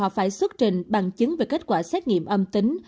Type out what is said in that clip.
tổng thống biden đã đặt xuất trình bằng chứng về kết quả xét nghiệm âm tính